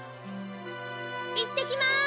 いってきます！